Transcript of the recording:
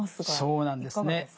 そうなんですね。